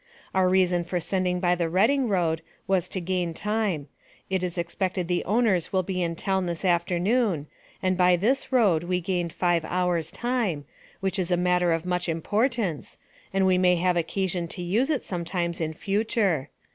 Our reason for sending by the Reading Road, was to gain time; it is expected the owners will be in town this afternoon, and by this Road we gained five hours' time, which is a matter of much importance, and we may have occasion to use it sometimes in future.